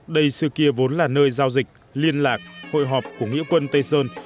đây xưa kia vốn là nơi giao dịch liên lạc hội họp của nghĩa quân tây sơn